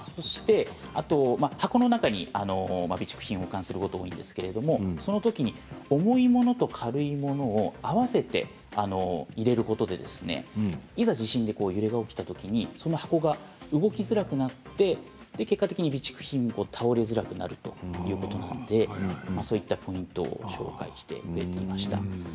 あと箱の中に備蓄品を保管することが多いんですけれども、そのときに重い物と軽い物を合わせて入れることでいざ地震で揺れが起きたときにその箱が動きづらくなって結果的に備蓄品も倒れづらくなるということでそういったポイントを紹介してくれていました。